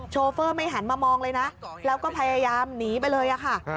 โฟเฟอร์ไม่หันมามองเลยนะแล้วก็พยายามหนีไปเลยค่ะ